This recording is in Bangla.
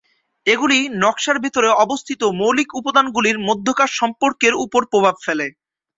এগুলি নকশার ভেতরে অবস্থিত মৌলিক উপাদানগুলির মধ্যকার সম্পর্কের উপর প্রভাব ফেলে।